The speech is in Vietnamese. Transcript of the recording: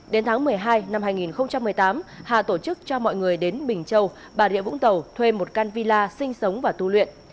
đến tháng một mươi hai năm hai nghìn một mươi tám hà tổ chức cho mọi người đến bình châu bà rịa vũng tàu thuê một can villa sinh sống và tu luyện